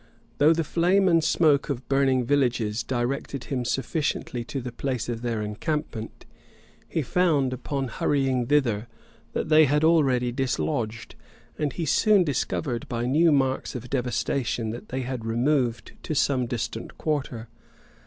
Though the flame and smoke of burning villages directed him sufficiently to the place of their encampment, he found, upon hurrying thither, that they had already dislodged; and he soon discovered, by new marks of devastation, that they had removed to some distant quarter.